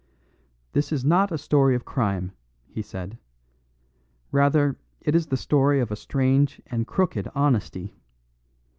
"This is not a story of crime," he said; "rather it is the story of a strange and crooked honesty.